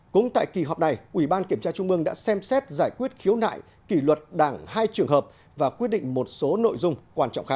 cũng tại kỳ họp này ủy ban kiểm tra trung ương đã xem xét giải quyết khiếu nại kỷ luật đảng hai trường hợp và quyết định một số nội dung quan trọng khác